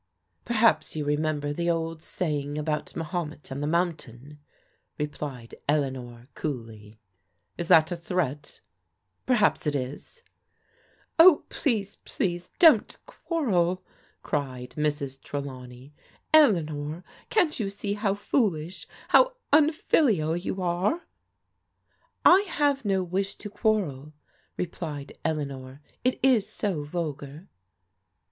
" Perhaps you remember the old saying about Ma homet and the mountain?" replied Eleanor coolly. Is that a threat?'* "I'M ENGAGED TO JIM" 87 " Perhaps it is." Oh, please, please, don't quarrel !" cried Mrs. Tre lawney. " Eleanor, can't you see how foolish, how un filial you are ?"" I have no wish to quarrel," replied Eleanor. " It is so vulgar."